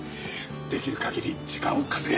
できる限り時間を稼げ。